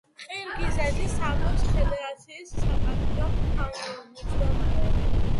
ყირგიზეთის სამბოს ფედერაციის საპატიო თავმჯდომარე.